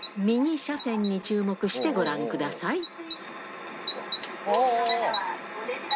右車線に注目してご覧ください。